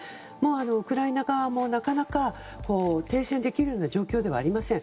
ウクライナ側も、なかなか停戦できるような状況ではありません。